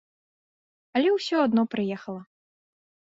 Але ўсё адно прыехала.